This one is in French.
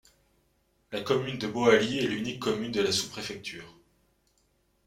La commune de Boali est l’unique commune de la sous-préfecture.